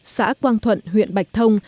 xã quang thuận huyện bạch thông